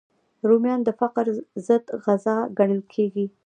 رومیان د فقر ضد غذا ګڼل کېږي